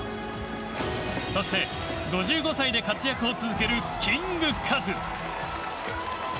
そして５５歳で活躍を続けるキングカズ。